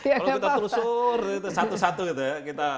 kalau kita telsur satu satu gitu ya